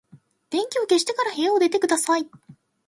電気を消してから部屋を出てください。